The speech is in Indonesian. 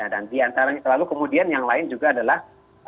dan diantaranya selalu kemudian yang lain juga adalah